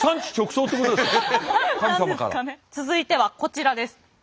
続いてはこちらです。